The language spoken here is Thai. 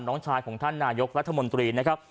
น้องชายของท่านนายกรัฐมนตรีนะครับ